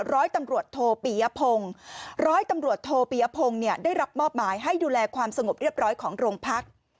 ร้อยตำรวจโทปียพงศ์ร้อยตำรวจโทปียพงศ์เนี่ยได้รับมอบหมายให้ดูแลความสงบเรียบร้อยของโรงพัก